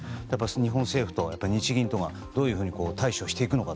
日本政府と日銀とがどういうふうに対処していくのか